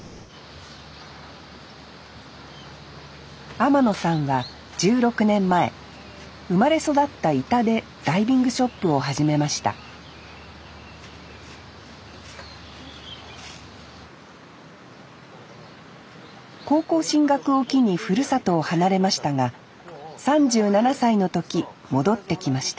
天野さんは１６年前生まれ育った井田でダイビングショップを始めました高校進学を機にふるさとを離れましたが３７歳の時戻ってきました